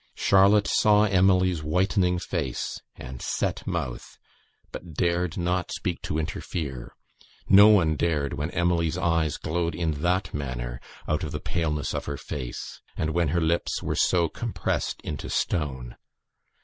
Charlotte saw Emily's whitening face, and set mouth, but dared not speak to interfere; no one dared when Emily's eyes glowed in that manner out of the paleness of her face, and when her lips were so compressed into stone.